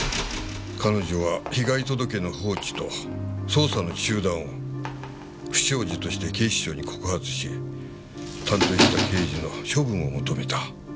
彼女は被害届の放置と捜査の中断を不祥事として警視庁に告発し担当した刑事の処分を求めた。